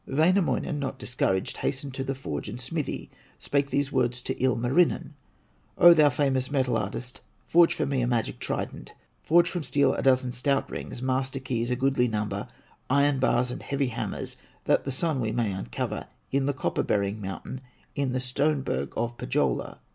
Wainamoinen, not discouraged, Hastened to the forge and smithy, Spake these words to Ilmarinen: "O thou famous metal artist, Forge for me a magic trident, Forge from steel a dozen stout rings, Master keys, a goodly number, Iron bars and heavy hammers, That the Sun we may uncover In the copper bearing mountain, In the stone berg of Pohyola."